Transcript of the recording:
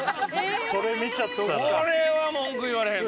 それ見ちゃったら。